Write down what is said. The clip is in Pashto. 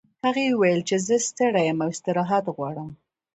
هغې وویل چې زه ستړې یم او استراحت غواړم